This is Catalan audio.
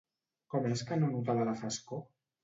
Com és que no notava la frescor?